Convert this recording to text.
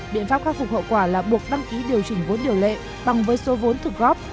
biện pháp khắc phục hậu quả là buộc đăng ký điều chỉnh vốn điều lệ bằng với số vốn thực góp